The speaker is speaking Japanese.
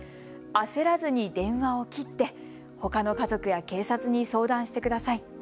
焦らずに電話を切ってほかの家族や警察に相談してください。